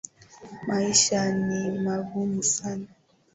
Maisha ni magumu sana